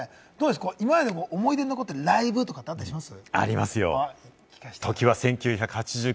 今まで思い出に残ってるライブとかってあります？